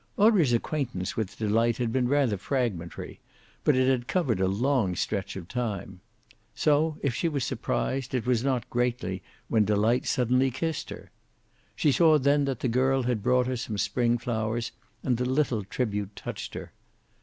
Audrey's acquaintance with Delight had been rather fragmentary, but it had covered a long stretch of time. So, if she was surprised, it was not greatly when Delight suddenly kissed her. She saw then that the girl had brought her some spring flowers, and the little tribute touched her.